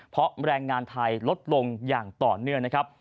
เพราะแรงงานไทยลดลงอย่างต่อเนื่องนะครับ